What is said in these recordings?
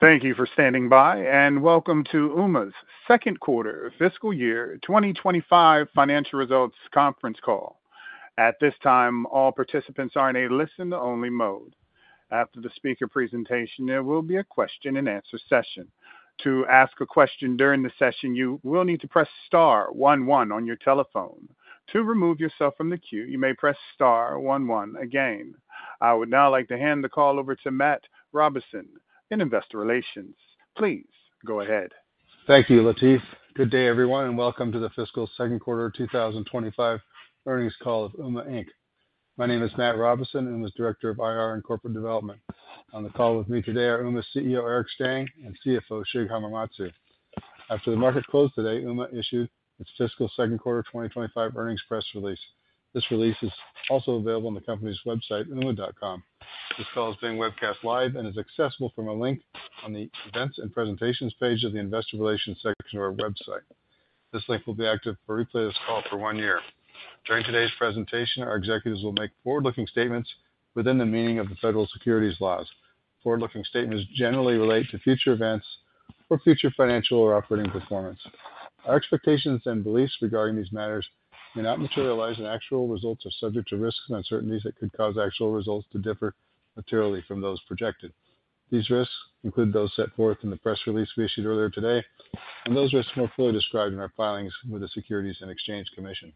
Thank you for standing by, and welcome to Ooma's Second Quarter Fiscal Year 2025 Financial Results Conference Call. At this time, all participants are in a listen-only mode. After the speaker presentation, there will be a question-and-answer session. To ask a question during the session, you will need to press star one one on your telephone. To remove yourself from the queue, you may press star one one again. I would now like to hand the call over to Matt Robison in Investor Relations. Please go ahead. Thank you, Latif. Good day, everyone, and welcome to the fiscal second quarter 2025 earnings call of Ooma Inc my name is Matt Robison, Ooma's Director of IR and Corporate Development. On the call with me today are Ooma's CEO, Eric Stang, and CFO, Shig Hamamatsu. After the market closed today, Ooma issued its fiscal second quarter 2025 earnings press release. This release is also available on the company's website, at ooma.com. This call is being webcast live and is accessible from a link on the Events and Presentations page of the Investor Relations section of our website. This link will be active for replay this call for one year. During today's presentation, our executives will make forward-looking statements within the meaning of the federal securities laws. Forward-looking statements generally relate to future events or future financial or operating performance. Our expectations and beliefs regarding these matters may not materialize, and actual results are subject to risks and uncertainties that could cause actual results to differ materially from those projected. These risks include those set forth in the press release we issued earlier today, and those risks more fully described in our filings with the Securities and Exchange Commission.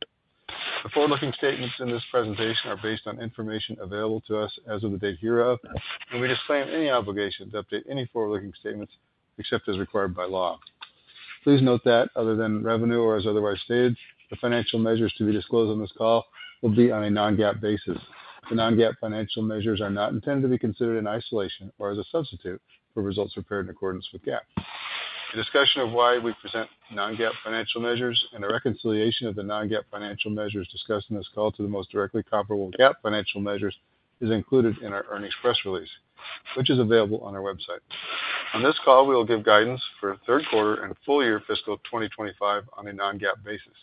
The forward-looking statements in this presentation are based on information available to us as of the date hereof, and we disclaim any obligation to update any forward-looking statements except as required by law. Please note that other than revenue or as otherwise stated, the financial measures to be disclosed on this call will be on a non-GAAP basis. The non-GAAP financial measures are not intended to be considered in isolation or as a substitute for results prepared in accordance with GAAP. A discussion of why we present non-GAAP financial measures and a reconciliation of the non-GAAP financial measures discussed in this call to the most directly comparable GAAP financial measures is included in our earnings press release, which is available on our website. On this call, we will give guidance for third quarter and full year fiscal 2025 on a non-GAAP basis.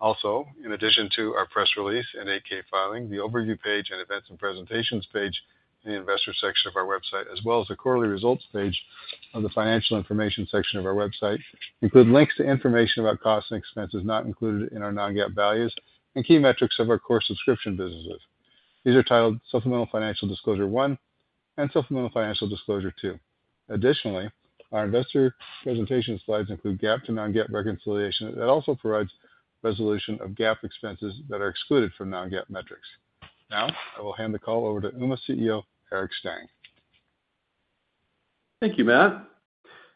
Also, in addition to our press release and 8-K filing, the Overview page and Events and Presentations page in the Investor section of our website, as well as the quarterly results page of the Financial Information section of our website, include links to information about costs and expenses not included in our non-GAAP values and key metrics of our core subscription businesses. These are titled Supplemental Financial Disclosure One and Supplemental Financial Disclosure Two. Additionally, our investor presentation slides include GAAP to non-GAAP reconciliation that also provides resolution of GAAP expenses that are excluded from non-GAAP metrics. Now, I will hand the call over to Ooma CEO, Eric Stang. Thank you, Matt.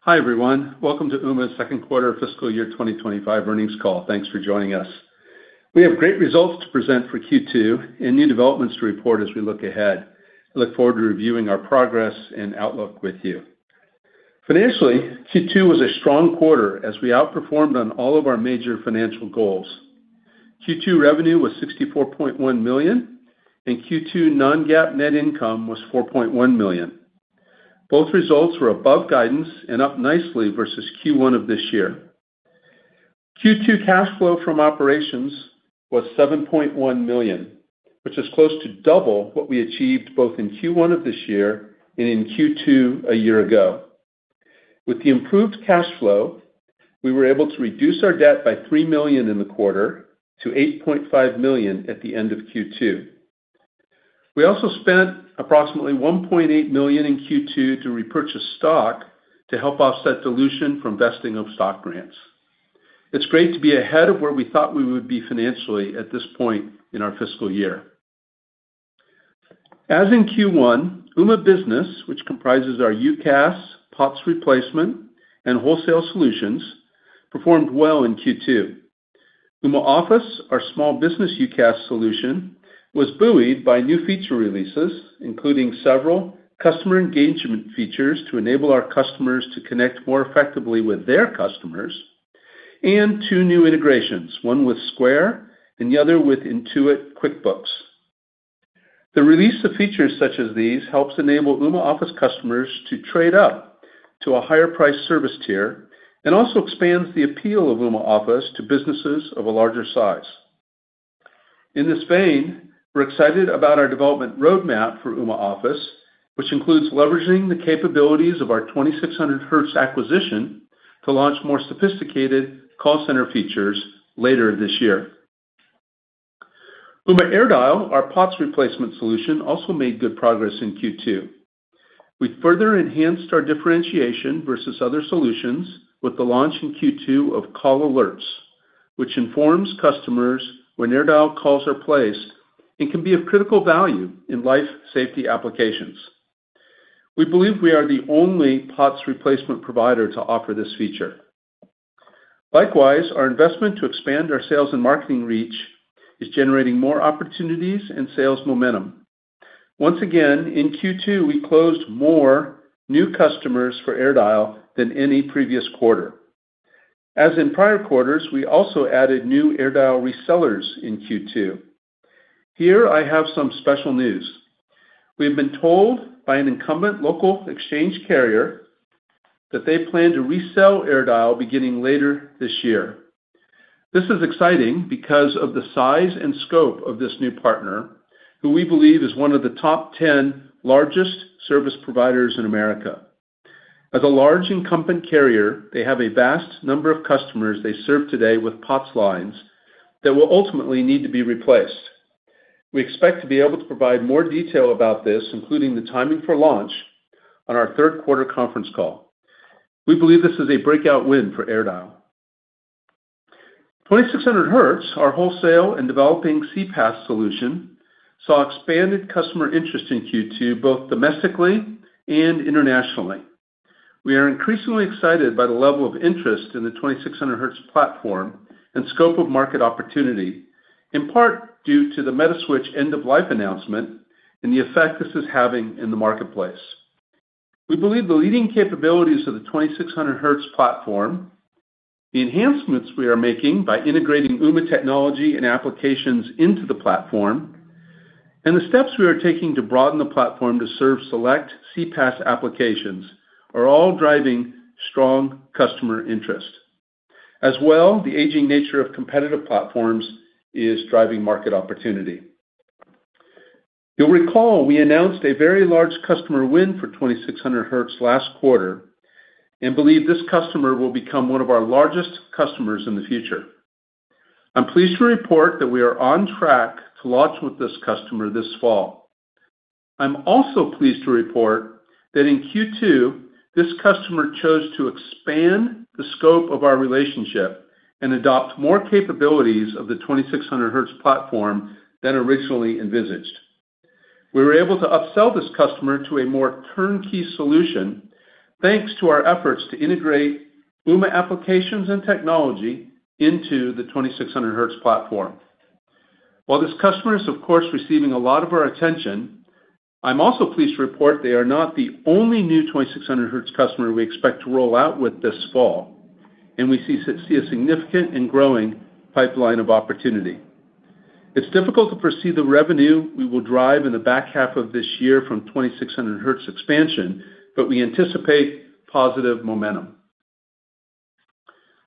Hi, everyone. Welcome to Ooma's second quarter fiscal year 2025 earnings call. Thanks for joining us. We have great results to present for Q2 and new developments to report as we look ahead. I look forward to reviewing our progress and outlook with you. Financially, Q2 was a strong quarter as we outperformed on all of our major financial goals. Q2 revenue was $64.1 million, and Q2 non-GAAP net income was $4.1 million. Both results were above guidance and up nicely versus Q1 of this year. Q2 cash flow from operations was $7.1 million, which is close to double what we achieved both in Q1 of this year and in Q2 a year ago. With the improved cash flow, we were able to reduce our debt by $3 million in the quarter to $8.5 million at the end of Q2. We also spent approximately $1.8 million in Q2 to repurchase stock to help offset dilution from vesting of stock grants. It's great to be ahead of where we thought we would be financially at this point in our fiscal year. As in Q1, Ooma business, which comprises our UCaaS, POTS replacement, and wholesale solutions, performed well in Q2. Ooma Office, our small business UCaaS solution, was buoyed by new feature releases, including several customer engagement features to enable our customers to connect more effectively with their customers, and two new integrations, one with Square and the other with Intuit QuickBooks. The release of features such as these helps enable Ooma Office customers to trade up to a higher price service tier and also expands the appeal of Ooma Office to businesses of a larger size. In this vein, we're excited about our development roadmap for Ooma Office, which includes leveraging the capabilities of our 2600Hz acquisition to launch more sophisticated call center features later this year. Ooma AirDial, our POTS replacement solution, also made good progress in Q2. We further enhanced our differentiation versus other solutions with the launch in Q2 of Call Alerts, which informs customers when AirDial calls are placed and can be of critical value in life safety applications. We believe we are the only POTS replacement provider to offer this feature. Likewise, our investment to expand our sales and marketing reach is generating more opportunities and sales momentum. Once again, in Q2, we closed more new customers for AirDial than any previous quarter. As in prior quarters, we also added new AirDial resellers in Q2. Here I have some special news. We've been told by an incumbent local exchange carrier that they plan to resell AirDial beginning later this year. This is exciting because of the size and scope of this new partner, who we believe is one of the top 10 largest service providers in America. As a large incumbent carrier, they have a vast number of customers they serve today with POTS lines that will ultimately need to be replaced. We expect to be able to provide more detail about this, including the timing for launch, on our third quarter conference call. We believe this is a breakout win for AirDial. 2600Hz, our wholesale and developing CPaaS solution, saw expanded customer interest in Q2, both domestically and internationally. We are increasingly excited by the level of interest in the 2600Hz platform and scope of market opportunity, in part due to the Metaswitch end-of-life announcement and the effect this is having in the marketplace. We believe the leading capabilities of the 2600Hz platform, the enhancements we are making by integrating Ooma technology and applications into the platform, and the steps we are taking to broaden the platform to serve select CPaaS applications, are all driving strong customer interest. As well, the aging nature of competitive platforms is driving market opportunity. You'll recall we announced a very large customer win for 2600Hz last quarter, and believe this customer will become one of our largest customers in the future. I'm pleased to report that we are on track to launch with this customer this fall. I'm also pleased to report that in Q2, this customer chose to expand the scope of our relationship and adopt more capabilities of the 2600Hz platform than originally envisaged. We were able to upsell this customer to a more turnkey solution, thanks to our efforts to integrate Ooma applications and technology into the 2600Hz platform. While this customer is, of course, receiving a lot of our attention, I'm also pleased to report they are not the only new 2600Hz customer we expect to roll out with this fall, and we see a significant and growing pipeline of opportunity. It's difficult to foresee the revenue we will drive in the back half of this year from 2600Hz expansion, but we anticipate positive momentum.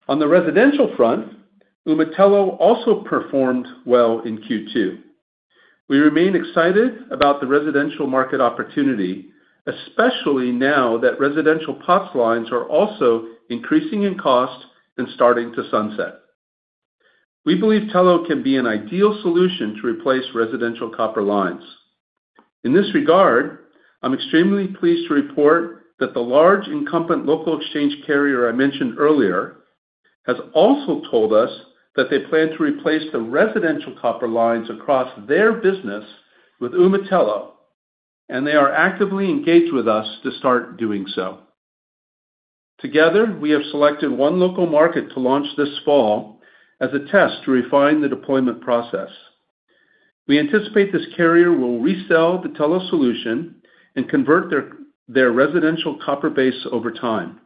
On the residential front, Ooma Telo also performed well in Q2. We remain excited about the residential market opportunity, especially now that residential POTS lines are also increasing in cost and starting to sunset. We believe Telo can be an ideal solution to replace residential copper lines. In this regard, I'm extremely pleased to report that the large incumbent local exchange carrier I mentioned earlier has also told us that they plan to replace the residential copper lines across their business with Ooma Telo, and they are actively engaged with us to start doing so. Together, we have selected one local market to launch this fall as a test to refine the deployment process. We anticipate this carrier will resell the Telo solution and convert their residential copper base over time.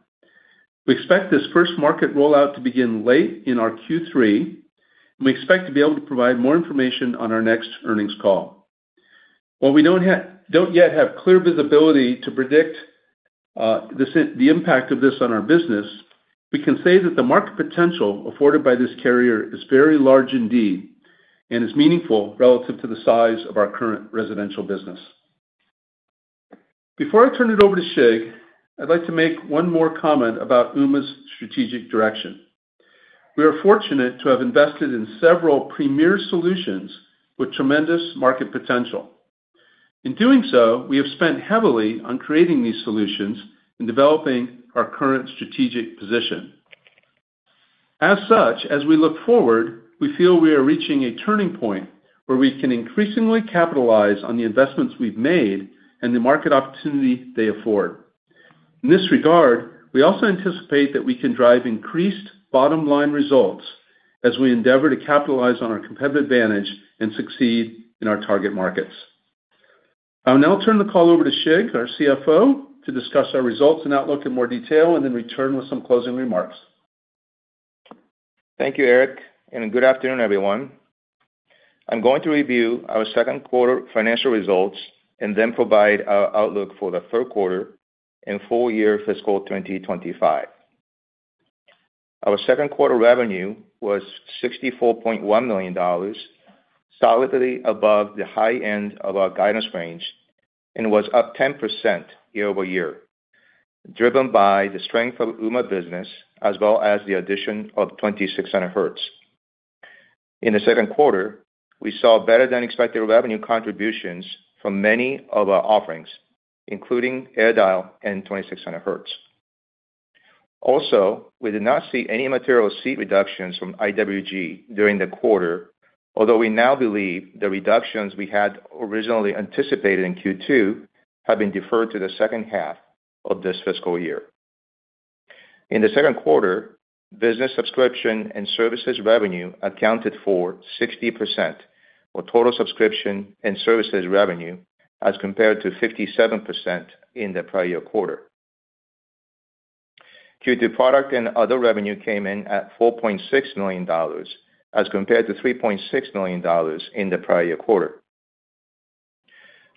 We expect this first market rollout to begin late in our Q3, and we expect to be able to provide more information on our next earnings call. While we don't yet have clear visibility to predict the impact of this on our business, we can say that the market potential afforded by this carrier is very large indeed, and is meaningful relative to the size of our current residential business. Before I turn it over to Shig, I'd like to make one more comment about Ooma's strategic direction. We are fortunate to have invested in several premier solutions with tremendous market potential. In doing so, we have spent heavily on creating these solutions and developing our current strategic position. As such, as we look forward, we feel we are reaching a turning point where we can increasingly capitalize on the investments we've made and the market opportunity they afford. In this regard, we also anticipate that we can drive increased bottom-line results as we endeavor to capitalize on our competitive advantage and succeed in our target markets. I'll now turn the call over to Shig, our CFO, to discuss our results and outlook in more detail and then return with some closing remarks. Thank you, Eric, and good afternoon, everyone. I'm going to review our second quarter financial results and then provide our outlook for the third quarter and full year fiscal 2025. Our second quarter revenue was $64.1 million, solidly above the high end of our guidance range and was up 10% year-over-year, driven by the strength of Ooma business as well as the addition of 2600Hz. In the second quarter, we saw better-than-expected revenue contributions from many of our offerings, including AirDial and 2600Hz. Also, we did not see any material seat reductions from IWG during the quarter, although we now believe the reductions we had originally anticipated in Q2 have been deferred to the H2 of this fiscal year. In the second quarter, business subscription and services revenue accounted for 60% of total subscription and services revenue, as compared to 57% in the prior year quarter. Q2 product and other revenue came in at $4.6 million, as compared to $3.6 million in the prior year quarter.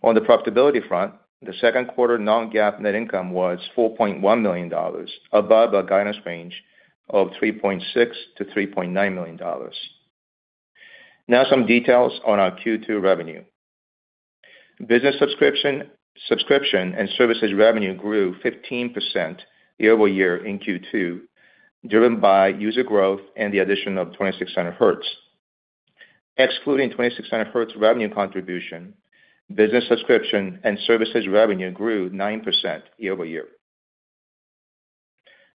On the profitability front, the second quarter non-GAAP net income was $4.1 million, above our guidance range of $3.6-$3.9 million. Now some details on our Q2 revenue. Business subscription and services revenue grew 15% year-over-year in Q2, driven by user growth and the addition of 2600Hz. Excluding 2600Hz revenue contribution, business subscription and services revenue grew 9% year-over-year.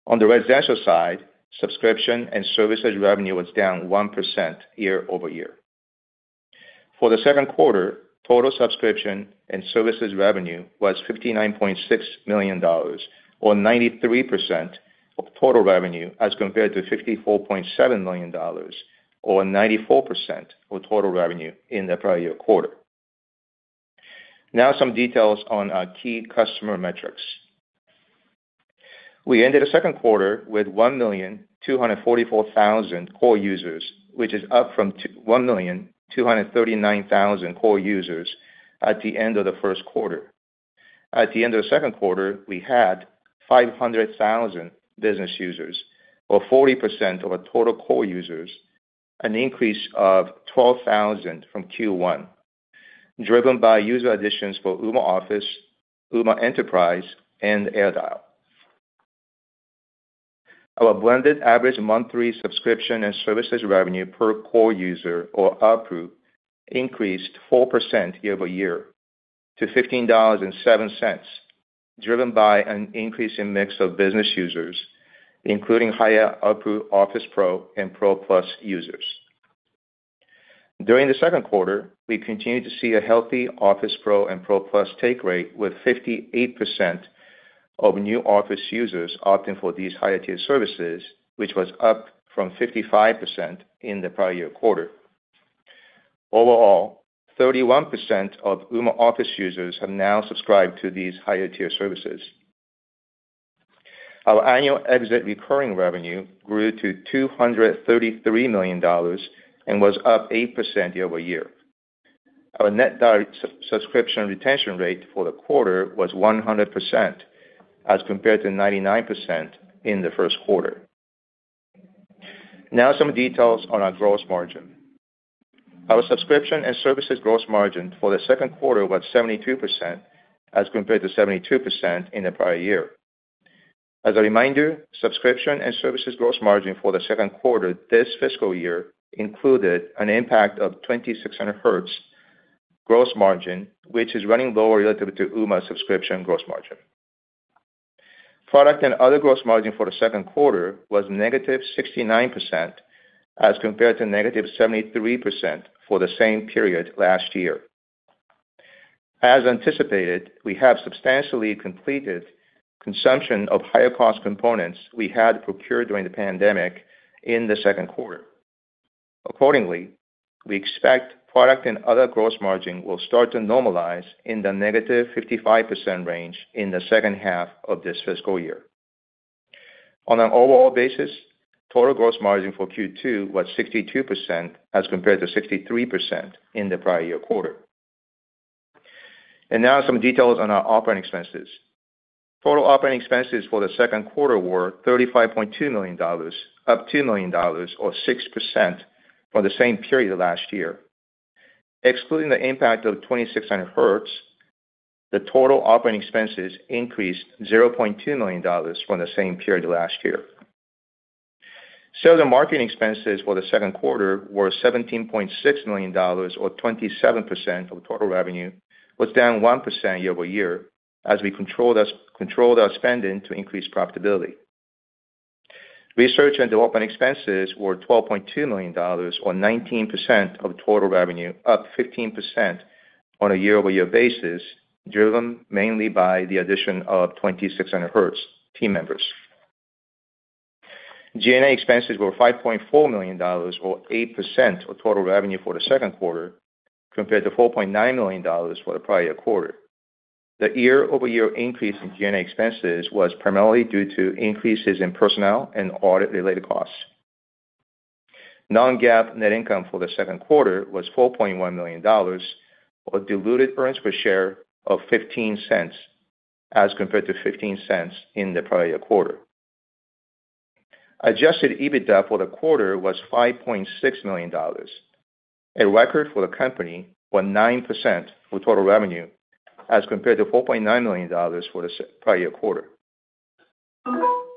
On the residential side, subscription and services revenue was down 1% year-over-year. For the second quarter, total subscription and services revenue was $59.6 million, or 93% of total revenue, as compared to $54.7 million, or 94% of total revenue in the prior year quarter. Now some details on our key customer metrics. We ended the second quarter with 1,244,000 core users, which is up from 1,239,000 core users at the end of the first quarter. At the end of the second quarter, we had 500,000 business users, or 40% of our total core users, an increase of 12,000 from Q1, driven by user additions for Ooma Office, Ooma Enterprise, and Ooma AirDial. Our blended average monthly subscription and services revenue per core user or ARPU increased 4% year-over-year to $15.07, driven by an increase in mix of business users, including higher ARPU Office Pro and Pro Plus users. During the second quarter, we continued to see a healthy Office Pro and Pro Plus take rate with 58% of new Office users opting for these higher tier services, which was up from 55% in the prior year quarter. Overall, 31% of Ooma Office users have now subscribed to these higher tier services. Our annual exit recurring revenue grew to $233 million and was up 8% year-over-year. Our net direct subscription retention rate for the quarter was 100%, as compared to 99% in the first quarter. Now some details on our gross margin. Our subscription and services gross margin for the second quarter was 72%, as compared to 72% in the prior year. As a reminder, subscription and services gross margin for the second quarter this fiscal year included an impact of 2600Hz gross margin, which is running lower relative to Ooma's subscription gross margin. Product and other gross margin for the second quarter was negative 69%, as compared to negative 73% for the same period last year. As anticipated, we have substantially completed consumption of higher cost components we had procured during the pandemic in the second quarter. Accordingly, we expect product and other gross margin will start to normalize in the negative 55% range in the H2 of this fiscal year. On an overall basis, total gross margin for Q2 was 62%, as compared to 63% in the prior year quarter. Now some details on our operating expenses. Total operating expenses for the second quarter were $35.2 million, up $2 million or 6% for the same period last year. Excluding the impact of 2600Hz, the total operating expenses increased $0.2 million from the same period last year. The marketing expenses for the second quarter were $17.6 million, or 27% of total revenue, was down 1% year-over-year as we controlled our spending to increase profitability. Research and development expenses were $12.2 million, or 19% of total revenue, up 15% on a year-over-year basis, driven mainly by the addition of 2600Hz team members. G&A expenses were $5.4 million or 8% of total revenue for the second quarter, compared to $4.9 million for the prior year quarter. The year-over-year increase in G&A expenses was primarily due to increases in personnel and audit-related costs. Non-GAAP net income for the second quarter was $4.1 million, or diluted earnings per share of $0.15, as compared to $0.15 in the prior year quarter. Adjusted EBITDA for the quarter was $5.6 million, a record for the company, or 9% of total revenue, as compared to $4.9 million for the prior year quarter.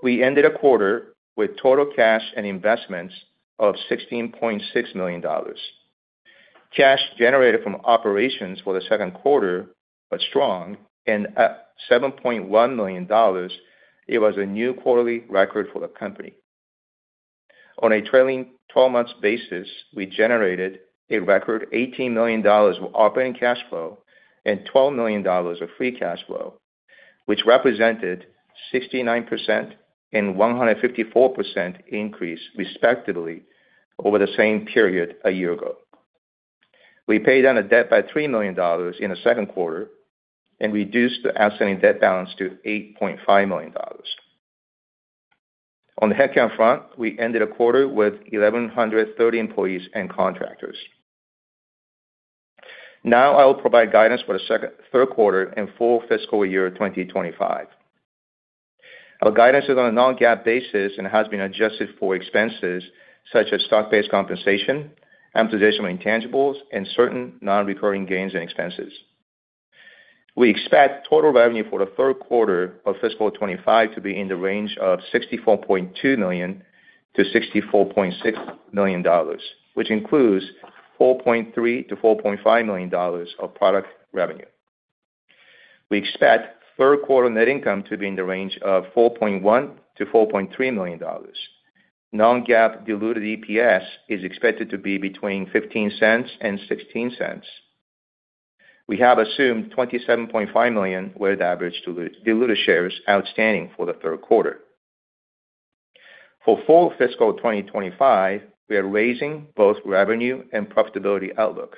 We ended the quarter with total cash and investments of $16.6 million. Cash generated from operations for the second quarter was strong and at $7.1 million, it was a new quarterly record for the company. On a trailing twelve months basis, we generated a record $18 million of operating cash flow and $12 million of free cash flow, which represented 69% and 154% increase, respectively, over the same period a year ago. We paid down the debt by $3 million in the second quarter and reduced the outstanding debt balance to $8.5 million. On the headcount front, we ended the quarter with 1,130 employees and contractors. Now I will provide guidance for the third quarter and full fiscal year 2025. Our guidance is on a non-GAAP basis and has been adjusted for expenses such as stock-based compensation, amortization, intangibles, and certain non-recurring gains and expenses. We expect total revenue for the third quarter of fiscal 2025 to be in the range of $64.2 million-$64.6 million, which includes $4.3 million-$4.5 million of product revenue. We expect third quarter net income to be in the range of $4.1 million-$4.3 million. Non-GAAP diluted EPS is expected to be between $0.15 and $0.16. We have assumed 27.5 million weighted average diluted shares outstanding for the third quarter. For full fiscal 2025, we are raising both revenue and profitability outlook.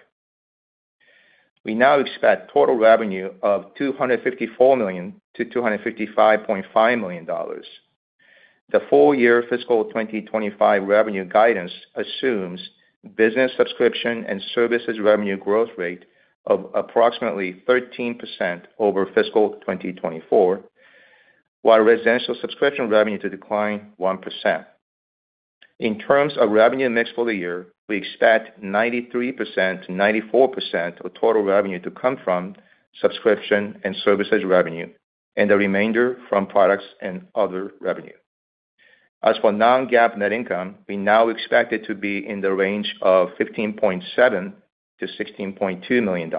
We now expect total revenue of $254 million-$255.5 million. The full year fiscal 2025 revenue guidance assumes business subscription and services revenue growth rate of approximately 13% over fiscal 2024, while residential subscription revenue to decline 1%. In terms of revenue mix for the year, we expect 93%-94% of total revenue to come from subscription and services revenue, and the remainder from products and other revenue. As for non-GAAP net income, we now expect it to be in the range of $15.7 million-$16.2 million.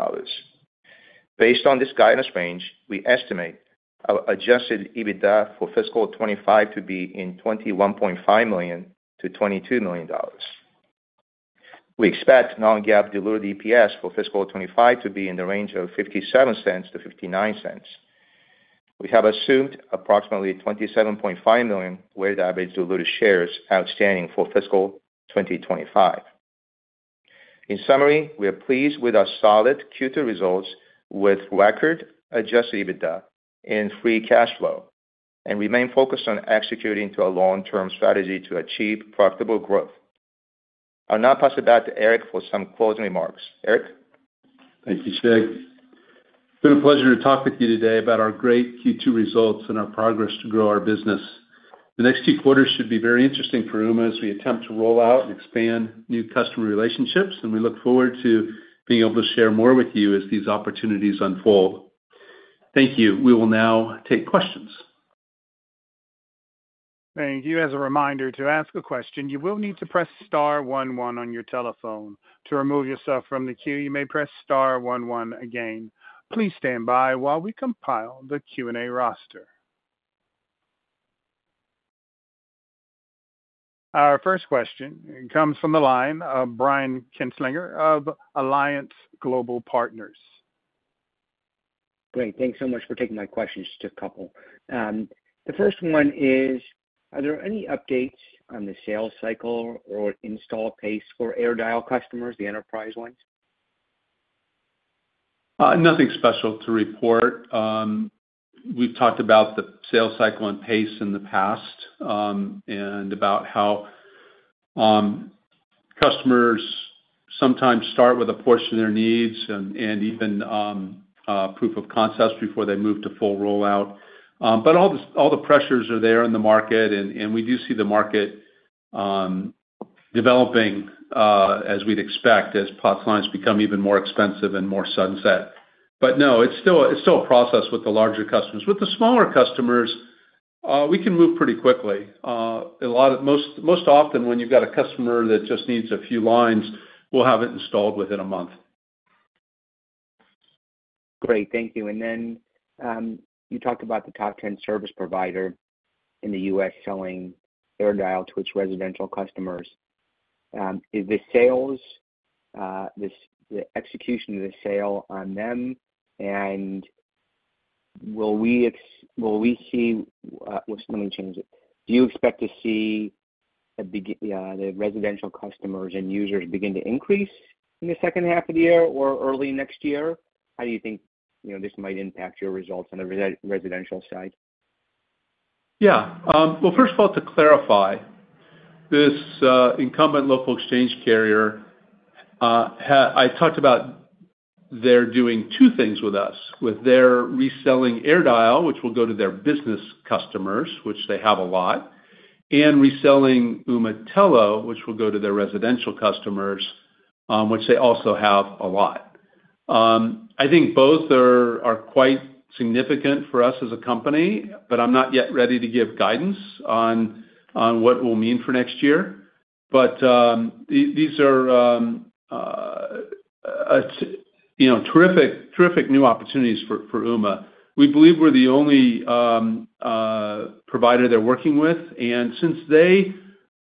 Based on this guidance range, we estimate our Adjusted EBITDA for fiscal 2025 to be $21.5 million-$22 million. We expect Non-GAAP diluted EPS for fiscal 2025 to be in the range of $0.57-$0.59. We have assumed approximately 27.5 million weighted average diluted shares outstanding for fiscal 2025. In summary, we are pleased with our solid Q2 results with record Adjusted EBITDA and free cash flow, and remain focused on executing to our long-term strategy to achieve profitable growth. I'll now pass it back to Eric for some closing remarks. Eric? Thank you, Shig. It's been a pleasure to talk with you today about our great Q2 results and our progress to grow our business. The next two quarters should be very interesting for Ooma as we attempt to roll out and expand new customer relationships, and we look forward to being able to share more with you as these opportunities unfold. Thank you. We will now take questions. Thank you. As a reminder, to ask a question, you will need to press star one one on your telephone. To remove yourself from the queue, you may press star one one again. Please stand by while we compile the Q&A roster. Our first question comes from the line of Brian Kinstlinger of Alliance Global Partners. Great. Thanks so much for taking my questions, just a couple. The first one is: Are there any updates on the sales cycle or install pace for AirDial customers, the enterprise ones? Nothing special to report. We've talked about the sales cycle and pace in the past, and about how customers sometimes start with a portion of their needs and even proof of concepts before they move to full rollout. But all the pressures are there in the market, and we do see the market developing as we'd expect, as POTS lines become even more expensive and more sunset. But no, it's still a process with the larger customers. With the smaller customers, we can move pretty quickly. Most often, when you've got a customer that just needs a few lines, we'll have it installed within a month. Great. Thank you. And then, you talked about the top ten service provider in the US selling AirDial to its residential customers. Is the sales execution of the sale on them? And will we see, well, let me change it. Do you expect to see the residential customers and users begin to increase in the H2 of the year or early next year? How do you think, you know, this might impact your results on the residential side? Yeah. Well, first of all, to clarify, this Incumbent Local Exchange Carrier I talked about. They're doing two things with us. With their reselling AirDial, which will go to their business customers, which they have a lot, and reselling Ooma Telo, which will go to their residential customers, which they also have a lot. I think both are quite significant for us as a company, but I'm not yet ready to give guidance on what we'll mean for next year. But these are, you know, terrific, terrific new opportunities for Ooma. We believe we're the only provider they're working with, and since they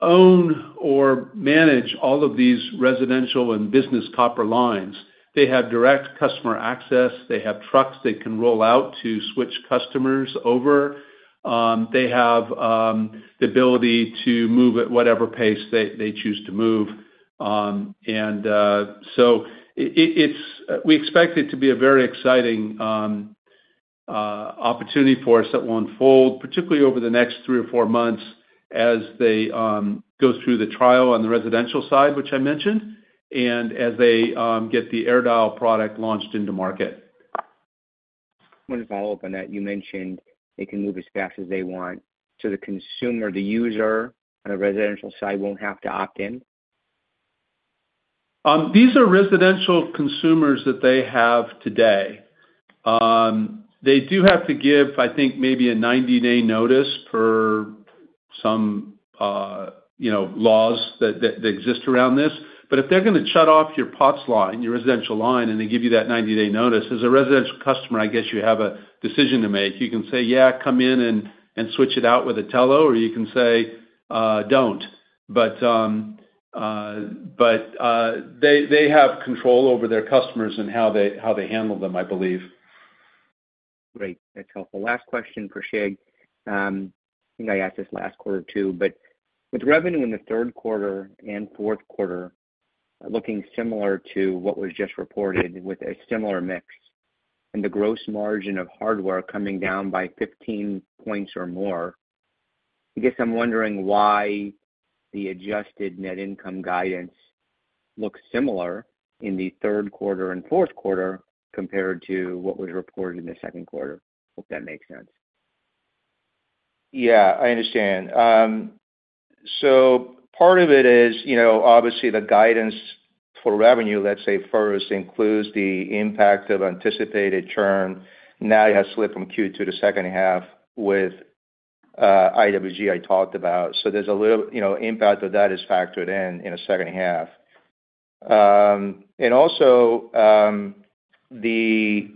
own or manage all of these residential and business copper lines. They have direct customer access, they have trucks they can roll out to switch customers over. They have the ability to move at whatever pace they choose to move, and so we expect it to be a very exciting opportunity for us that will unfold, particularly over the next three or four months as they go through the trial on the residential side, which I mentioned, and as they get the AirDial product launched into market. One follow-up on that. You mentioned they can move as fast as they want. So the consumer, the user, on the residential side won't have to opt in? These are residential consumers that they have today. They do have to give, I think, maybe a ninety-day notice for some, you know, laws that exist around this. But if they're gonna shut off your POTS line, your residential line, and they give you that 90 day notice, as a residential customer, I guess you have a decision to make. You can say, "Yeah, come in and switch it out with Ooma Telo," or you can say, "Don't." But they have control over their customers and how they handle them, I believe. Great. That's helpful. Last question for Shig. I think I asked this last quarter, too, but with revenue in the third quarter and fourth quarter looking similar to what was just reported with a similar mix, and the gross margin of hardware coming down by 15 points or more, I guess I'm wondering why the adjusted net income guidance looks similar in the third quarter and fourth quarter compared to what was reported in the second quarter? Hope that makes sense. Yeah, I understand. So part of it is, you know, obviously, the guidance for revenue, let's say first, includes the impact of anticipated churn. Now, you have slipped from Q2 to the H2 with IWG I talked about, so there's a little, you know, impact of that is factored in in the H2. And also, the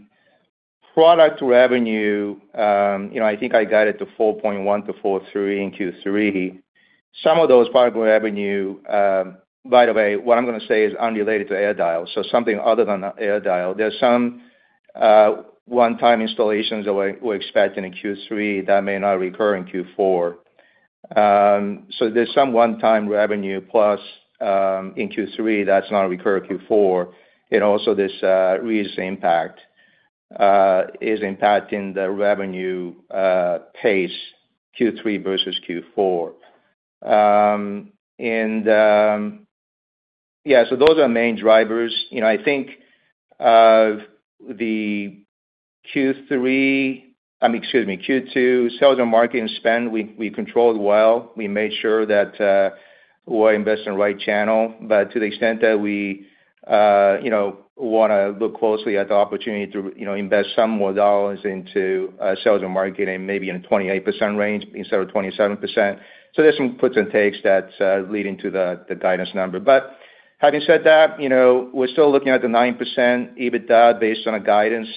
product revenue, you know, I think I got it to 4.1-4.3 in Q3. Some of those product revenue, by the way, what I'm gonna say is unrelated to AirDial, so something other than AirDial. There's some one-time installations that we're expecting in Q3 that may not recur in Q4. So there's some one-time revenue plus in Q3 that's not recur Q4, and also this recent impact is impacting the revenue pace, Q3 versus Q4. Yeah, so those are the main drivers. You know, I think, the Q3, I mean, excuse me, Q2, sales and marketing spend, we controlled well. We made sure that we invest in the right channel, but to the extent that we, you know, wanna look closely at the opportunity to, you know, invest some more dollars into sales and marketing, maybe in 28% range instead of 27%. So there's some puts and takes that leading to the guidance number. But having said that, you know, we're still looking at the 9% EBITDA based on a guidance,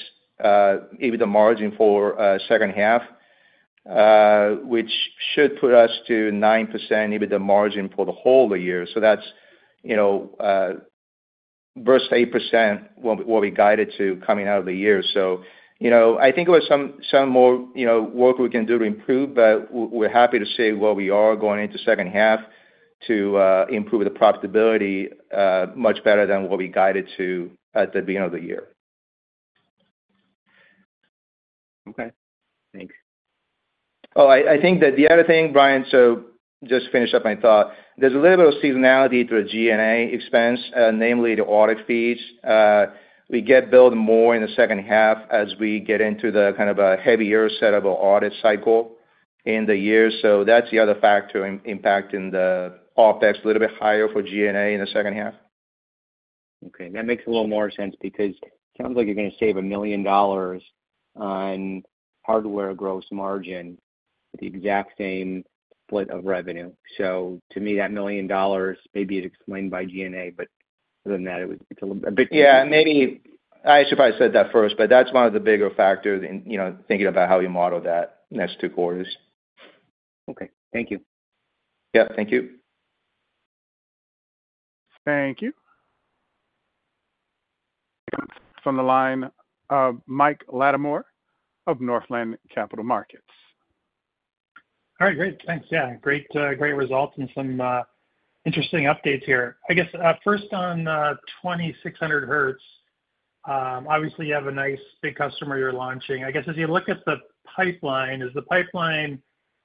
EBITDA margin for H2, which should put us to 9% EBITDA margin for the whole of the year. So that's, you know, versus 8%, what we guided to coming out of the year. you know, I think there was some more, you know, work we can do to improve, but we're happy to see where we are going into H2 to improve the profitability much better than what we guided to at the beginning of the year. Okay. Thanks. I think that the other thing, Brian, so just finish up my thought. There's a little bit of seasonality to the G&A expense, namely the audit fees. We get billed more in the H2 as we get into the kind of a heavier set of an audit cycle in the year. So that's the other factor in impacting the OpEx a little bit higher for G&A in the H2. Okay, that makes a little more sense because it sounds like you're gonna save $1 million on hardware gross margin, the exact same split of revenue. So to me, that $1 million may be explained by G&A, but other than that, it would be a little bit. But yeah, maybe I should probably said that first, but that's one of the bigger factors in, you know, thinking about how we model that next two quarters. Okay. Thank you. Yeah, thank you. Thank you. From the line, Mike Latimore of Northland Capital Markets. All right, great. Thanks. Yeah, great, great results and some interesting updates here. I guess first on 2600Hz, obviously you have a nice big customer you're launching. I guess, as you look at the pipeline, is the pipeline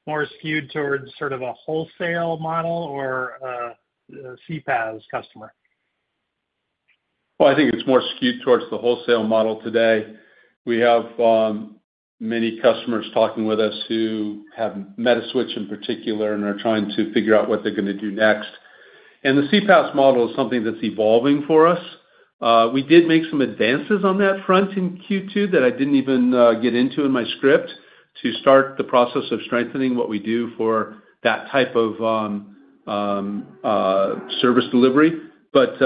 more skewed towards sort of a wholesale model or a CPaaS customer? I think it's more skewed towards the wholesale model today. We have many customers talking with us who have Metaswitch in particular and are trying to figure out what they're gonna do next. And the CPaaS model is something that's evolving for us. We did make some advances on that front in Q2, that I didn't even get into in my script, to start the process of strengthening what we do for that type of service delivery. But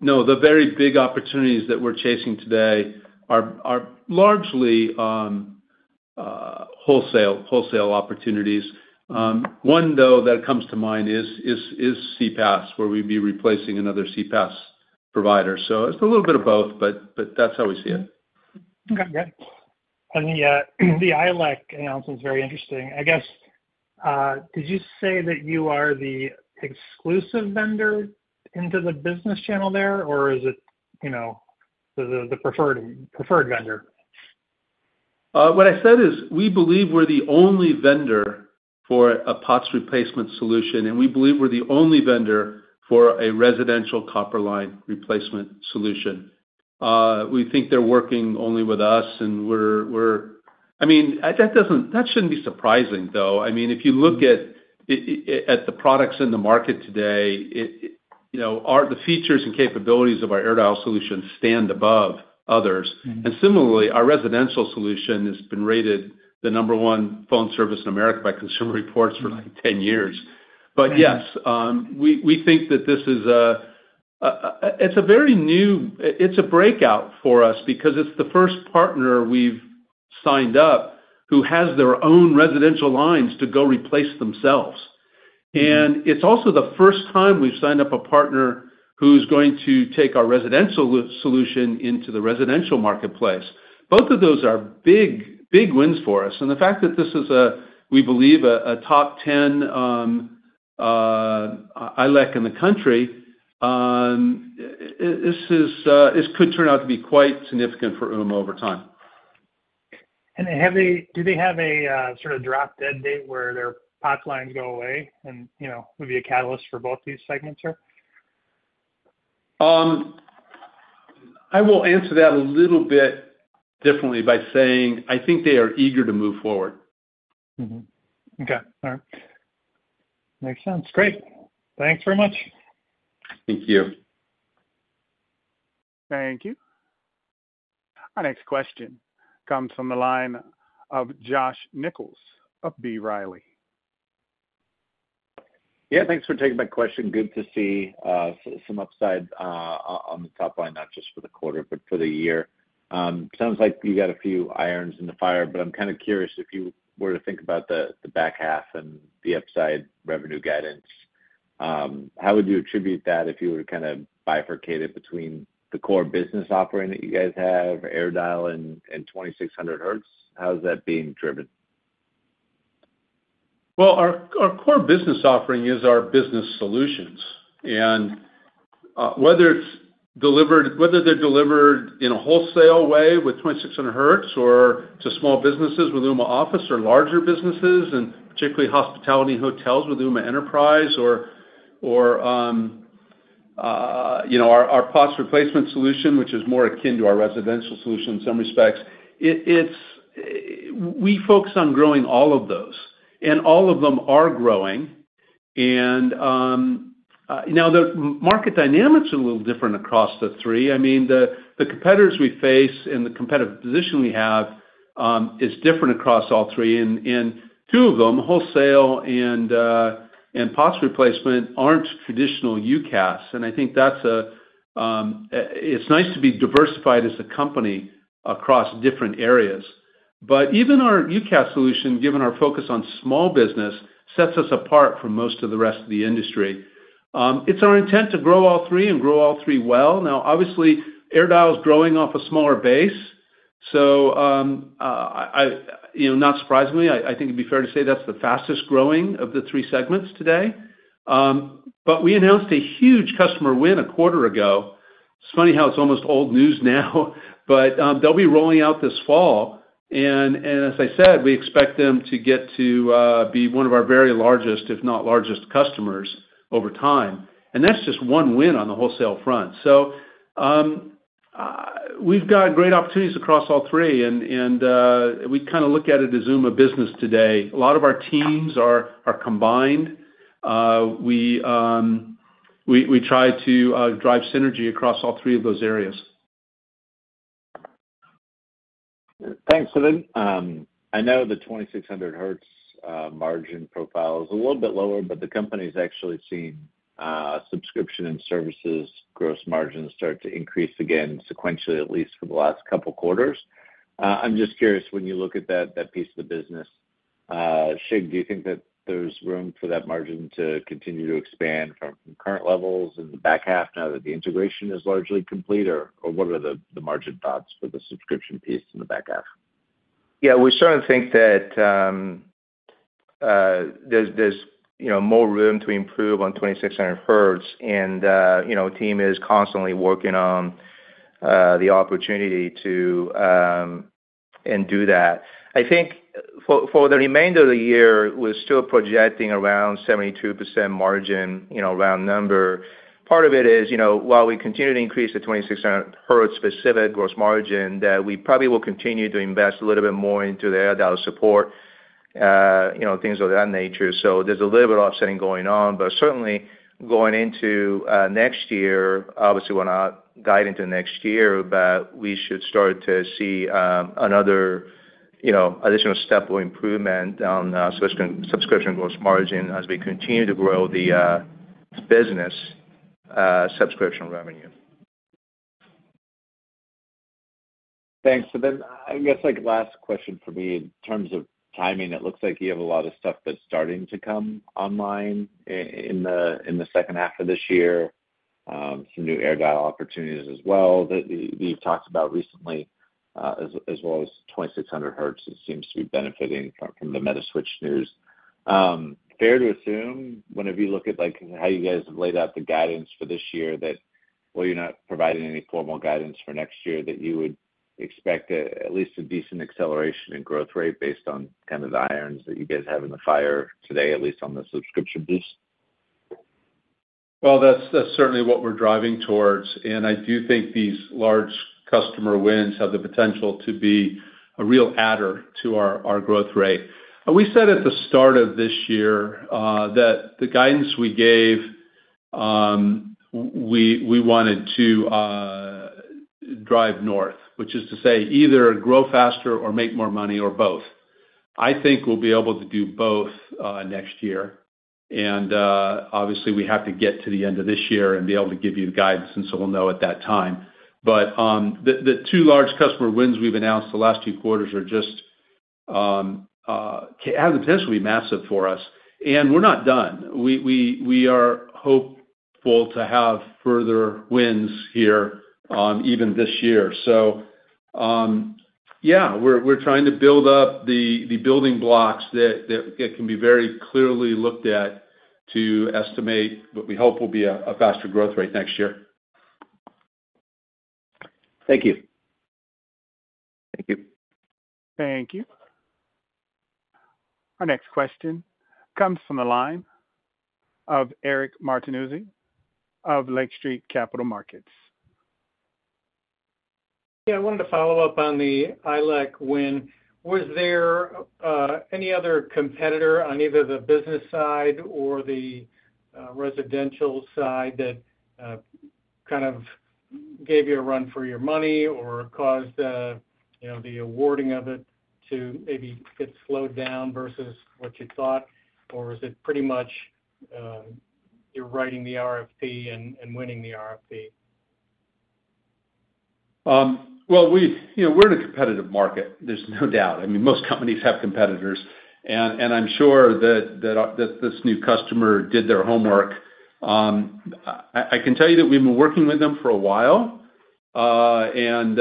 no, the very big opportunities that we're chasing today are largely wholesale opportunities. One, though, that comes to mind is CPaaS, where we'd be replacing another CPaaS provider. So it's a little bit of both, but that's how we see it. Okay, great. And the ILEC announcement is very interesting. I guess, did you say that you are the exclusive vendor into the business channel there, or is it, you know, the preferred vendor? What I said is, we believe we're the only vendor for a POTS replacement solution, and we believe we're the only vendor for a residential copper line replacement solution. We think they're working only with us, and we're. I mean, that doesn't, that shouldn't be surprising, though. I mean, if you look at it, at the products in the market today, it, you know, the features and capabilities of our AirDial solution stand above others. Mm-hmm. Similarly, our residential solution has been rated the number one phone service in America by Consumer Reports for, like, 10 years. Right. But yes, we think that this is a breakout for us because it's the first partner we've signed up who has their own residential lines to go replace themselves. Mm-hmm. And it's also the first time we've signed up a partner who's going to take our residential solution into the residential marketplace. Both of those are big, big wins for us, and the fact that this is, we believe, a top ten ILEC in the country. This could turn out to be quite significant for Ooma over time. Do they have a sort of drop dead date where their POTS lines go away and, you know, would be a catalyst for both these segments here? I will answer that a little bit differently by saying, I think they are eager to move forward. Mm-hmm. Okay. All right. Makes sense. Great. Thanks very much. Thank you. Thank you. Our next question comes from the line of Josh Nichols of B. Riley. Yeah, thanks for taking my question. Good to see some upside on the top line, not just for the quarter, but for the year. Sounds like you got a few irons in the fire, but I'm kind of curious, if you were to think about the back half and the upside revenue guidance, how would you attribute that if you were to kind of bifurcate it between the core business offering that you guys have, AirDial and 2600Hz? How is that being driven? Our core business offering is our business solutions. Whether they're delivered in a wholesale way with 2600Hz, or to small businesses with Ooma Office, or larger businesses, and particularly hospitality and hotels with Ooma Enterprise, you know, our POTS replacement solution, which is more akin to our residential solution in some respects, we focus on growing all of those, and all of them are growing. Now, the market dynamics are a little different across the three. I mean, the competitors we face and the competitive position we have is different across all three. Two of them, wholesale and POTS replacement, aren't traditional UCaaS, and I think that's it's nice to be diversified as a company across different areas. But even our UCaaS solution, given our focus on small business, sets us apart from most of the rest of the industry. It's our intent to grow all three and grow all three well. Now, obviously, AirDial is growing off a smaller base, so, You know, not surprisingly, I think it'd be fair to say that's the fastest growing of the three segments today. But we announced a huge customer win a quarter ago. It's funny how it's almost old news now, but, they'll be rolling out this fall. And as I said, we expect them to get to be one of our very largest, if not largest, customers over time. And that's just one win on the wholesale front. So, we've got great opportunities across all three, and we kind of look at it as Ooma business today. A lot of our teams are combined. We try to drive synergy across all three of those areas. Thanks for that. I know the 2600Hz margin profile is a little bit lower, but the company's actually seen a subscription and services gross margin start to increase again sequentially, at least for the last couple quarters. I'm just curious, when you look at that piece of the business, Shig, do you think that there's room for that margin to continue to expand from current levels in the back half now that the integration is largely complete? Or what are the margin thoughts for the subscription piece in the back half? Yeah, we certainly think that there's you know more room to improve on 2600Hz. And you know the team is constantly working on the opportunity to and do that. I think for the remainder of the year, we're still projecting around 72% margin, you know, round number. Part of it is, you know, while we continue to increase the 2600Hz specific gross margin, that we probably will continue to invest a little bit more into the AirDial support, you know, things of that nature. So there's a little bit of offsetting going on. But certainly, going into next year, obviously, we're not guiding to next year, but we should start to see another you know additional step or improvement on subscription gross margin as we continue to grow the business subscription revenue. Thanks. So then, I guess, like, last question for me, in terms of timing, it looks like you have a lot of stuff that's starting to come online in the H2 of this year, some new AirDial opportunities as well, that we've talked about recently, as well as 2600Hz, it seems to be benefiting from the Metaswitch news. Fair to assume, whenever you look at, like, how you guys have laid out the guidance for this year, that while you're not providing any formal guidance for next year, that you would expect at least a decent acceleration in growth rate based on kind of the irons that you guys have in the fire today, at least on the subscription piece? That's certainly what we're driving towards. I do think these large customer wins have the potential to be a real adder to our growth rate. We said at the start of this year that the guidance we gave, we wanted to drive north, which is to say, either grow faster or make more money, or both. I think we'll be able to do both next year. Obviously, we have to get to the end of this year and be able to give you guidance, and so we'll know at that time. The two large customer wins we've announced the last two quarters just have the potential to be massive for us. We're not done. We are hopeful to have further wins here, even this year. Yeah, we're trying to build up the building blocks that can be very clearly looked at to estimate what we hope will be a faster growth rate next year. Thank you. Thank you. Thank you. Our next question comes from the line of Eric Martinuzzi of Lake Street Capital Markets. Yeah, I wanted to follow up on the ILEC win. Was there any other competitor on either the business side or the residential side that kind of gave you a run for your money or caused you know, the awarding of it to maybe get slowed down versus what you thought? Or is it pretty much you're writing the RFP and winning the RFP? Well, you know, we're in a competitive market. There's no doubt. I mean, most companies have competitors, and I'm sure that this new customer did their homework. I can tell you that we've been working with them for a while, and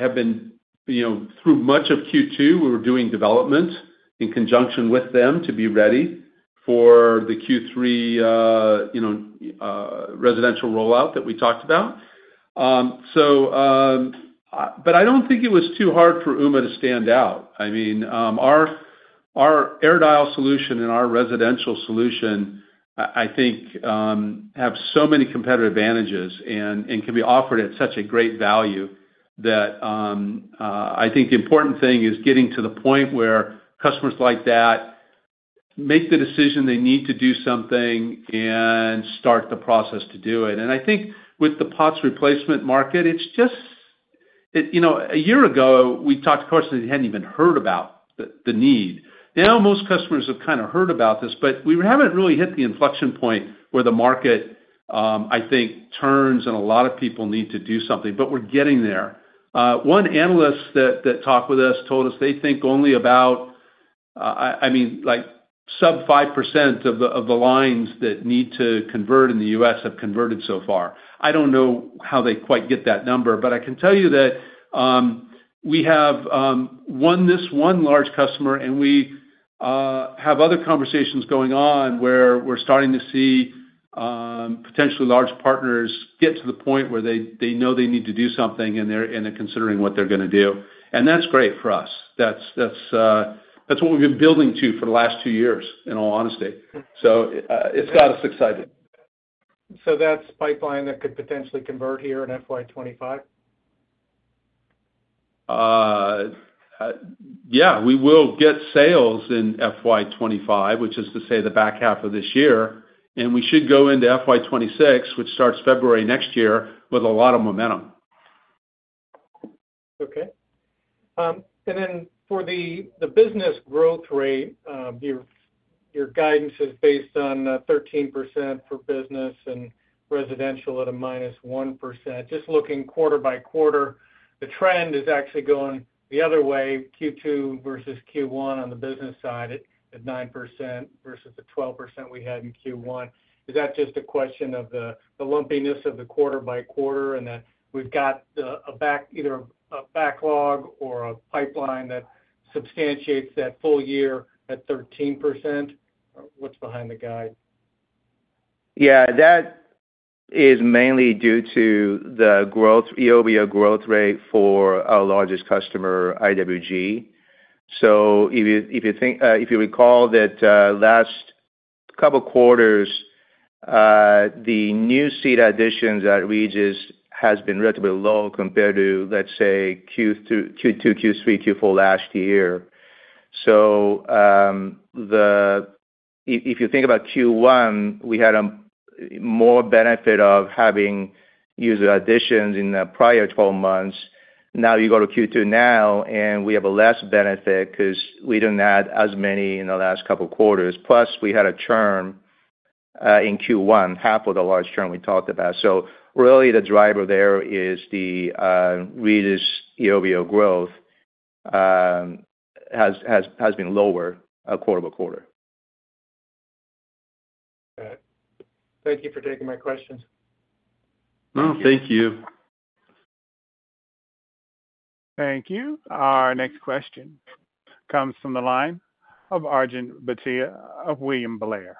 have been, you know, through much of Q2, we were doing development in conjunction with them to be ready for the Q3, you know, residential rollout that we talked about. So, but I don't think it was too hard for Ooma to stand out. I mean, our air dial solution and our residential solution, I think, have so many competitive advantages and can be offered at such a great value that, I think the important thing is getting to the point where customers like that make the decision they need to do something and start the process to do it. And I think with the POTS replacement market, it's just, It, you know, a year ago, we talked to customers who hadn't even heard about the need. Now, most customers have kind of heard about this, but we haven't really hit the inflection point where the market, I think, turns, and a lot of people need to do something, but we're getting there. One analyst that talked with us told us they think only about, I mean, like sub 5% of the lines that need to convert in the US have converted so far. I don't know how they quite get that number, but I can tell you that, we have won this one large customer, and we have other conversations going on, where we're starting to see potentially large partners get to the point where they know they need to do something, and they're considering what they're gonna do. And that's great for us. That's what we've been building to for the last two years, in all honesty. So, it's got us excited. So that's pipeline that could potentially convert here in FY2025? Yeah, we will get sales in FY2025, which is to say, the back half of this year, and we should go into FY2026, which starts February next year, with a lot of momentum. Okay. And then for the business growth rate, your guidance is based on 13% for business and residential at -1%. Just looking quarter-by-quarter, the trend is actually going the other way, Q2 versus Q1 on the business side at 9% versus the 12% we had in Q1. Is that just a question of the lumpiness of the quarter-by-quarter, and that we've got a backlog or a pipeline that substantiates that full year at 13%? Or what's behind the guide? Yeah, that is mainly due to the growth, YoY growth rate for our largest customer, IWG. So if you, if you think, if you recall that, last couple quarters, the new seat additions at Regus has been relatively low compared to, let's say, Q2, Q3, Q4 last year. So, the, If you think about Q1, we had a more benefit of having user additions in the prior twelve months. Now, you go to Q2 now, and we have a less benefit because we didn't add as many in the last couple of quarters, plus we had a churn in Q1, half of the large churn we talked about. So really the driver there is the reduced YoY growth has been lower quarter-over-quarter. Got it. Thank you for taking my questions. No, thank you. Thank you. Our next question comes from the line of Arjun Bhatia of William Blair.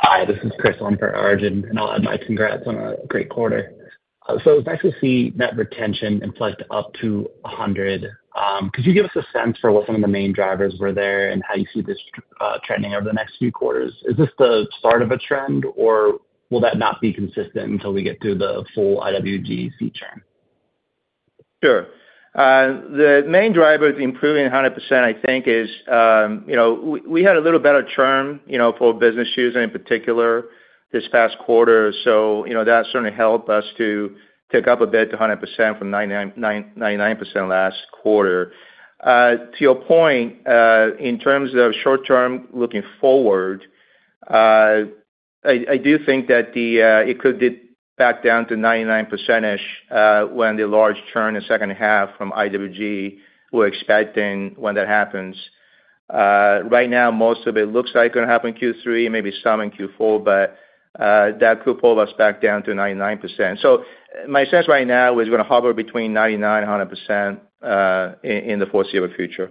Hi, this is Chris, I'm for Arjun, and I'll add my congrats on a great quarter. So it was nice to see net retention inflection up to 100%. Could you give us a sense for what some of the main drivers were there and how you see this trending over the next few quarters? Is this the start of a trend, or will that not be consistent until we get through the full IWG feature? Sure. The main driver is improving 100%, I think, is, you know, we had a little better churn, you know, for business users in particular, this past quarter. So, you know, that certainly helped us to tick up a bit to 100% from 99.9% last quarter. To your point, in terms of short term, looking forward, I do think that it could dip back down to 99% when the large churn in H2 from IWG, we're expecting when that happens. Right now, most of it looks like going to happen in Q3, maybe some in Q4, but that could pull us back down to 99%. So my sense right now is we're going to hover between 99% and 100% in the foreseeable future.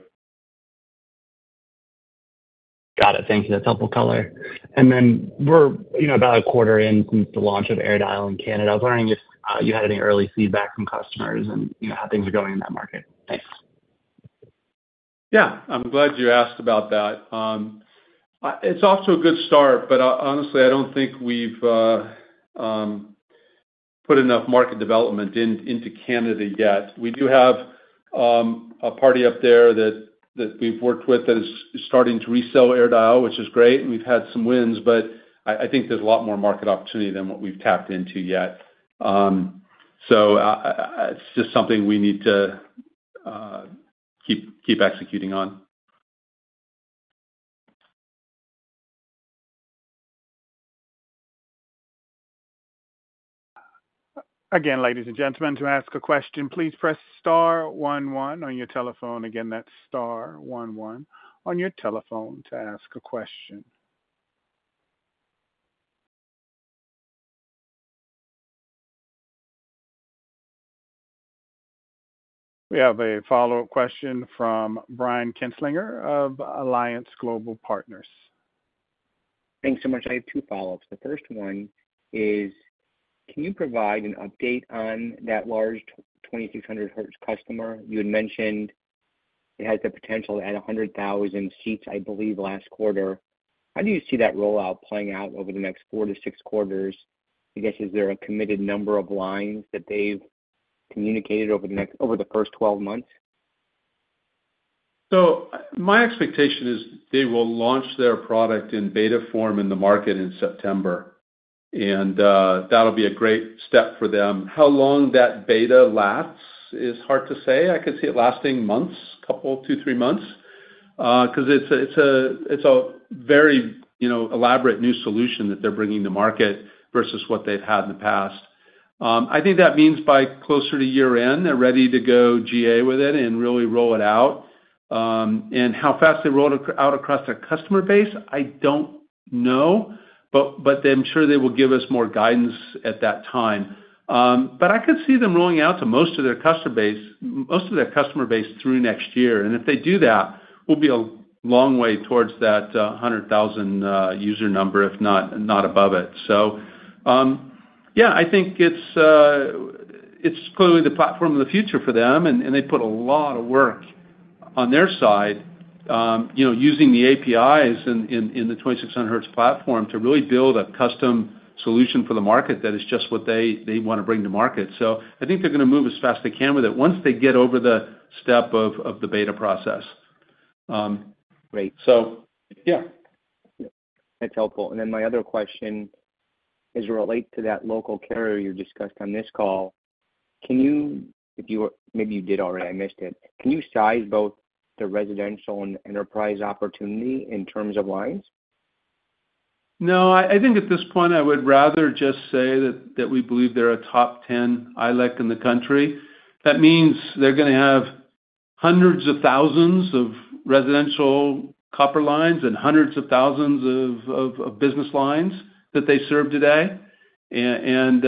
Got it. Thank you. That's helpful color, and then we're, you know, about a quarter in since the launch of AirDial in Canada. I was wondering if you had any early feedback from customers and, you know, how things are going in that market? Thanks. Yeah, I'm glad you asked about that. It's off to a good start, but honestly, I don't think we've put enough market development into Canada yet. We do have a partner up there that we've worked with that is starting to resell AirDial, which is great, and we've had some wins, but I think there's a lot more market opportunity than what we've tapped into yet. So, it's just something we need to keep executing on. Again, ladies and gentlemen, to ask a question, please press star one one on your telephone. Again, that's star one one on your telephone to ask a question. We have a follow-up question from Brian Kinstlinger of Alliance Global Partners. Thanks so much. I have two follow-ups. The first one is, can you provide an update on that large 2600Hz customer? You had mentioned it has the potential to add 100,000 seats, I believe, last quarter. How do you see that rollout playing out over the next four to six quarters? I guess, is there a committed number of lines that they've communicated over the first 12 months? So my expectation is they will launch their product in beta form in the market in September, and that'll be a great step for them. How long that beta lasts is hard to say. I could see it lasting months, couple, two, three months, because it's a very, you know, elaborate new solution that they're bringing to market versus what they've had in the past. I think that means by closer to year-end, they're ready to go GA with it and really roll it out. And how fast they roll it out across their customer base, I don't know, but I'm sure they will give us more guidance at that time. But I could see them rolling out to most of their customer base through next year, and if they do that, we'll be a long way towards that hundred thousand user number, if not above it. So, yeah, I think it's clearly the platform of the future for them, and they put a lot of work on their side, you know, using the APIs in the 2600Hz platform to really build a custom solution for the market that is just what they want to bring to market. So I think they're going to move as fast as they can with it once they get over the step of the beta process. Great. So yeah. That's helpful. And then my other question is relate to that local carrier you discussed on this call. Can you, if you maybe you did already, I missed it. Can you size both the residential and enterprise opportunity in terms of lines? No, I think at this point, I would rather just say that we believe they're a top ten ILEC in the country. That means they're gonna have hundreds of thousands of residential copper lines and hundreds of thousands of business lines that they serve today. And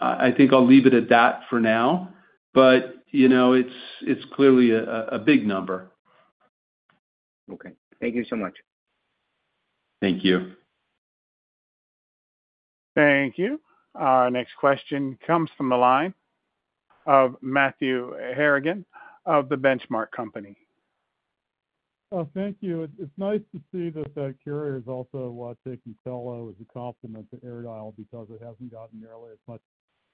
I think I'll leave it at that for now, but you know, it's clearly a big number. Okay. Thank you so much. Thank you. Thank you. Our next question comes from the line of Matthew Harrigan of The Benchmark Company. Oh, thank you. It's nice to see that the carrier is also taking Telo as a compliment to AirDial because it hasn't gotten nearly as much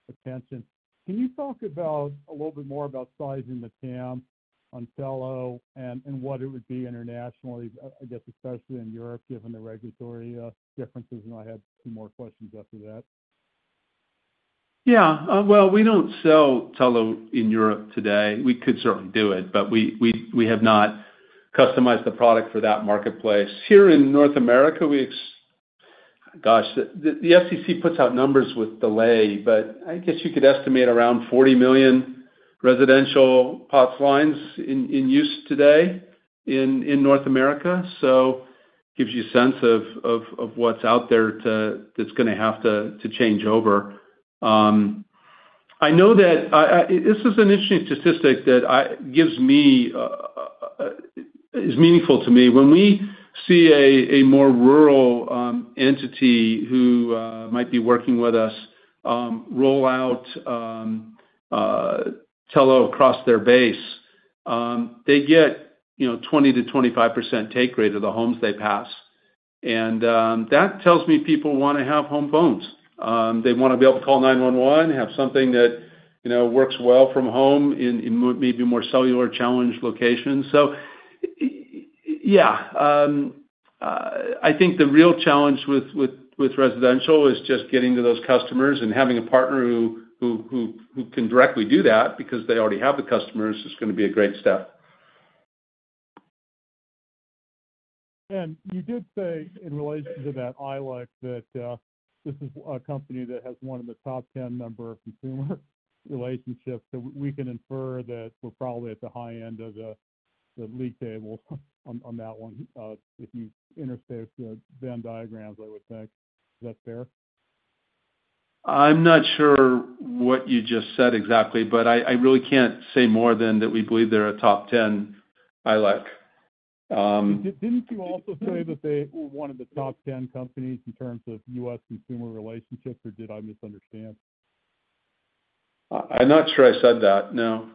attention. Can you talk about a little bit more about sizing the TAM on Telo and what it would be internationally, I guess especially in Europe, given the regulatory differences? And I have two more questions after that. Yeah, well, we don't sell Telo in Europe today. We could certainly do it, but we have not customized the product for that marketplace. Here in North America, gosh, the FCC puts out numbers with delay, but I guess you could estimate around 40 million residential POTS lines in use today in North America. So gives you a sense of what's out there that's gonna have to change over. I know that this is an interesting statistic that gives me is meaningful to me. When we see a more rural entity who might be working with us roll out Telo across their base, they get, you know, 20%-25% take rate of the homes they pass. And, that tells me people wanna have home phones. They wanna be able to call 911, have something that, you know, works well from home in maybe more cellular-challenged locations. So yeah, I think the real challenge with residential is just getting to those customers and having a partner who can directly do that because they already have the customers, is gonna be a great step. You did say, in relation to that ILEC, that this is a company that has one of the top 10 number of consumer relationships, so we can infer that we're probably at the high end of the league table on that one, if you intersect the Venn diagrams, I would think. Is that fair? I'm not sure what you just said exactly, but I, I really can't say more than that we believe they're a top 10 ILEC. Didn't you also say that they were one of the top 10 companies in terms of US consumer relationships, or did I misunderstand? I'm not sure I said that, no. Okay,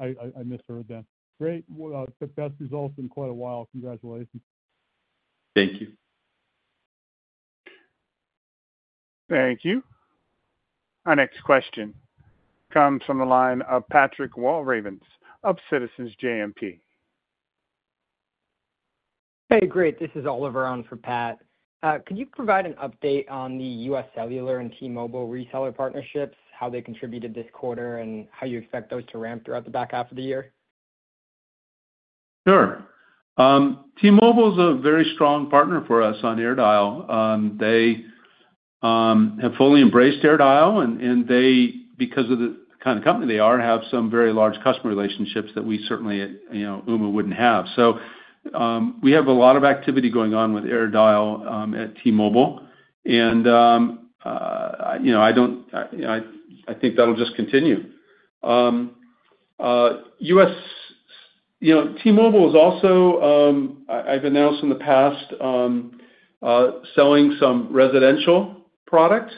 I misheard then. Great. Well, the best results in quite a while. Congratulations. Thank you. Thank you. Our next question comes from the line of Patrick Walravens of Citizens JMP. Hey, great. This is Oliver on for Pat. Could you provide an update on the US Cellular and T-Mobile reseller partnerships, how they contributed this quarter, and how you expect those to ramp throughout the back half of the year? Sure. T-Mobile is a very strong partner for us on AirDial. They have fully embraced AirDial, and they, because of the kind of company they are, have some very large customer relationships that we certainly at, you know, Ooma, wouldn't have. So, we have a lot of activity going on with AirDial at T-Mobile, and, you know, I don't, I, I think that'll just continue. As you know, T-Mobile is also, I've announced in the past, selling some residential product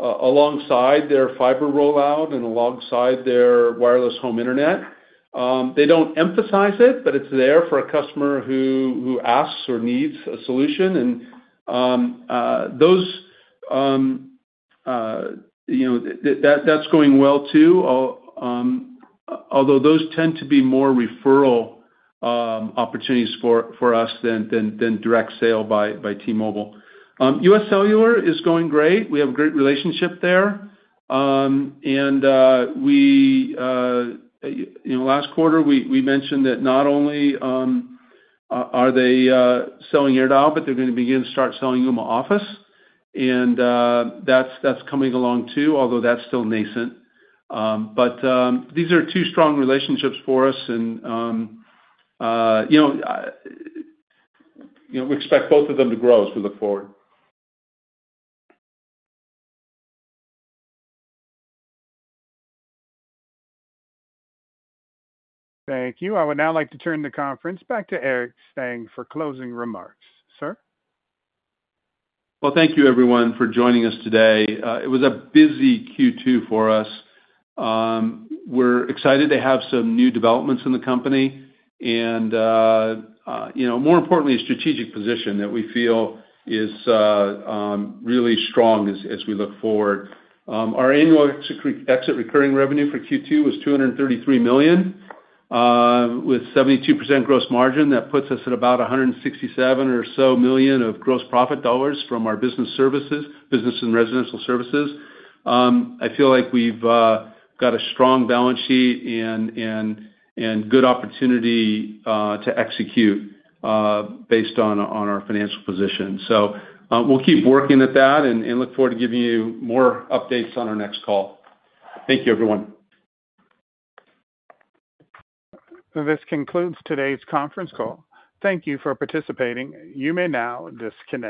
alongside their fiber rollout and alongside their wireless home internet. They don't emphasize it, but it's there for a customer who asks or needs a solution. And, you know, that's going well, too. Although those tend to be more referral opportunities for us than direct sale by T-Mobile. US Cellular is going great. We have a great relationship there. And we you know, last quarter, we mentioned that not only are they selling AirDial, but they're gonna begin to start selling Ooma Office, and that's coming along, too, although that's still nascent. But these are two strong relationships for us, and you know, we expect both of them to grow as we look forward. Thank you. I would now like to turn the conference back to Eric Stang for closing remarks. Sir? Thank you everyone for joining us today. It was a busy Q2 for us. We're excited to have some new developments in the company and, you know, more importantly, a strategic position that we feel is really strong as we look forward. Our annual exit recurring revenue for Q2 was $233 million, with 72% gross margin. That puts us at about $167 million or so of gross profit dollars from our business services, business and residential services. I feel like we've got a strong balance sheet and good opportunity to execute based on our financial position. So, we'll keep working at that and look forward to giving you more updates on our next call. Thank you, everyone. This concludes today's conference call. Thank you for participating. You may now disconnect.